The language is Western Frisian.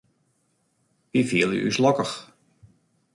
Wy fiele ús lokkich.